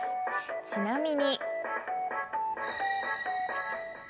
ちなみに。